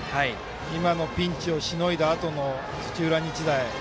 今のピンチをしのいだあとの土浦日大。